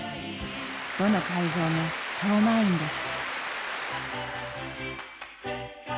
どの会場も超満員です。